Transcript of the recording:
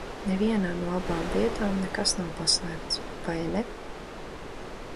Nevienā no abām vietām nekas nav paslēpts, vai ne?